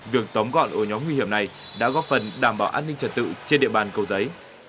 việc tóm gọn ổ nhóm nguy hiểm này đã góp phần đảm bảo an ninh trật tự trên địa bàn cầu giấy